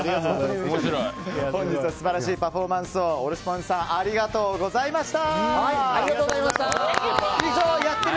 本日は素晴らしいパフォーマンスをおろしぽんづさんありがとうございました！